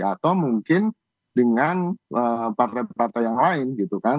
atau mungkin dengan partai partai yang lain gitu kan